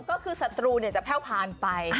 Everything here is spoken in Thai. ก็คือศัตรูจะแพ่วผ่านไป